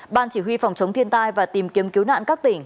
ban chỉ huy phòng chống thiên tai và tìm kiếm cứu nạn các tỉnh